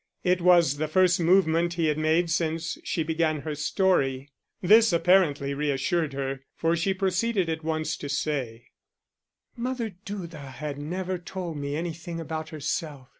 It was the first movement he had made since she began her story. This apparently reassured her, for she proceeded at once to say: "Mother Duda had never told me anything about herself.